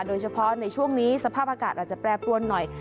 โดยเฉพาะในช่วงนี้สภาพอากาศอาจจะแปรปรวนหน่อย